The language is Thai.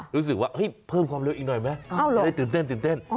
รู้สึกว่าเฮ้ยเพิ่มความเร็วอีกหน่อยไหมจะได้ตื่นเต้น